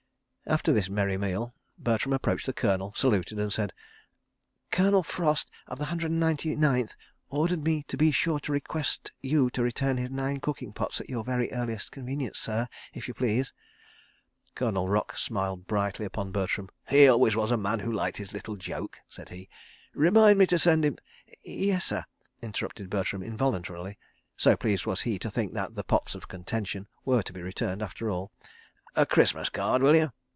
... After this merry meal, Bertram approached the Colonel, saluted, and said: "Colonel Frost, of the Hundred and Ninety Ninth, ordered me to be sure to request you to return his nine cooking pots at your very earliest convenience, sir, if you please." Colonel Rock smiled brightly upon Bertram. "He always was a man who liked his little joke," said he. ... "Remind me to send him—" "Yes, sir," interrupted Bertram, involuntarily, so pleased was he to think that the Pots of Contention were to be returned after all. "... A Christmas card—will you?"